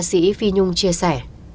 ca sĩ phi nhung chia sẻ